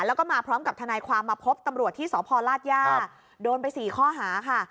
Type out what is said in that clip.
แล้วก็มาพร้อมกับทนายความมาพบตำรวจที่สพลาดย่าโดนไป๔ข้อหาค่ะ